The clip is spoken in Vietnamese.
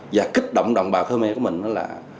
và kích động đồng bào khmer của mình đó là